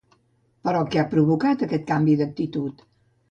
Però què ha provocat aquest canvi d'actitud?